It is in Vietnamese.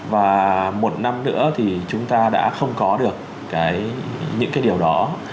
và một năm nữa thì chúng ta đã không có được những cái điều đó